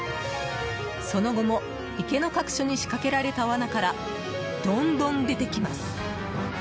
その後も池の各所に仕掛けられたわなからどんどん出てきます。